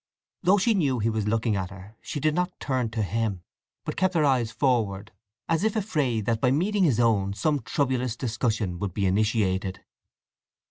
Though she knew he was looking at her she did not turn to him, but kept her eyes forward, as if afraid that by meeting his own some troublous discussion would be initiated.